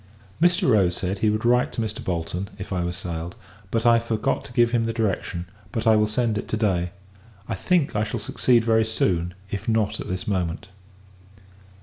Mr. Rose said, he would write to Mr. Bolton, if I was sailed; but, I have forgot to give him the direction: but I will send it, to day. I think, I shall succeed very soon, if not at this moment.